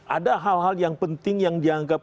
ada hal hal yang penting yang dianggap